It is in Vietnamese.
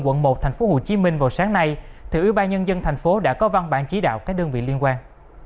quận một tp hcm vào sáng nay thì ủy ban nhân dân tp hcm đã có văn bản chỉ đạo các đơn vị liên quan